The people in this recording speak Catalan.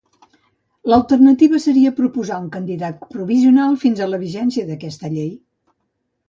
L'alternativa seria proposar un quart candidat provisional fins a la vigència d'aquesta llei.